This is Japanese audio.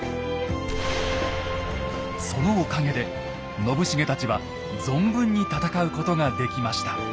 そのおかげで信繁たちは存分に戦うことができました。